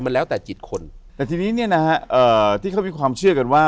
มันแล้วแต่จิตคนแต่ทีนี้เนี่ยนะฮะเอ่อที่เขามีความเชื่อกันว่า